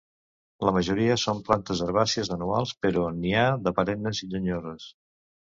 La majoria són plantes herbàcies anuals, però n'hi ha de perennes i llenyoses.